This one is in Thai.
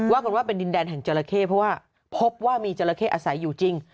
กันว่าเป็นดินแดนแห่งจราเข้เพราะว่าพบว่ามีจราเข้อาศัยอยู่จริง